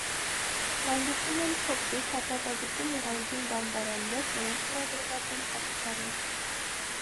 Հանդիպում են փոքրիկ, հատակագծում ուղղանկյուն դամբարաններ, որոնց վրա դրված են խաչքարեր։